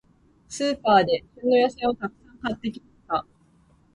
スーパーで、旬の野菜をたくさん買ってきました。